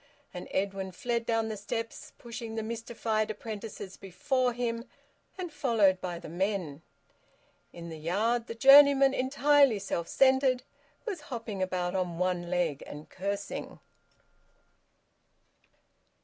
And Edwin fled down the steps, pushing the mystified apprentices before him, and followed by the men. In the yard the journeyman, entirely self centred, was hopping about on one leg and cursing.